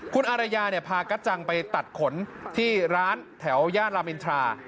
คุณอารยาพากัจจังไปตัดขนที่ร้านแถวย่านรามอินทรา